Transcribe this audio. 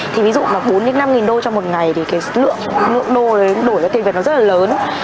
thì ví dụ mà bốn năm đô trong một ngày thì cái lượng đô đấy đuổi ra tiền việc nó rất là lớn